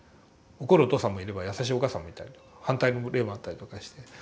怒るお父さんもいれば優しいお母さんもいたりとか反対の例もあったりとかして。